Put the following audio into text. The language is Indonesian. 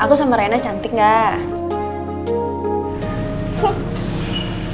aku sama rena cantik gak